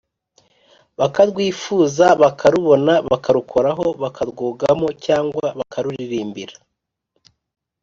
bakarwifuza, bakarubona, bakarukoraho, bakarwogamo, cyangwa bakaruririmbira